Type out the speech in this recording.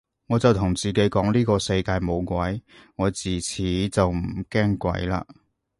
我就同自己講呢個世界冇鬼，我自此就唔驚鬼嘞